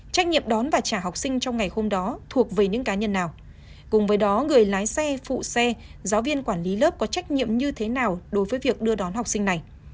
trách nhiệm đón và trả học sinh trong ngày hôm đó thuộc về những cá nhân nào cùng với đó người lái xe phụ xe giáo viên quản lý lớp có trách nhiệm như thế nào đối với việc đưa đón học sinh này